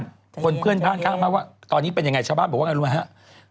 จะเย็นคนเพื่อนบ้านข้างบ้านว่าตอนนี้เป็นยังไงชาวบ้านบอกว่าอย่างนี้รู้ไหมฮะ